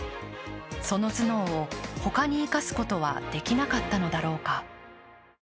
その頭脳をほかに生かすことはできなかったのだろうか。